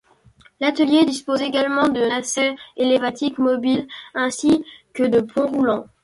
L'atelier dispose également de nacelles élévatrices mobiles ainsi que de ponts roulants.